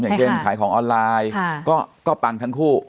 อย่างเช่นขายของออนไลน์ก็ปังทั้งคู่